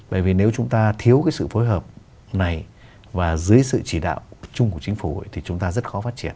bởi vì nếu chúng ta thiếu cái sự phối hợp này và dưới sự chỉ đạo chung của chính phủ thì chúng ta rất khó phát triển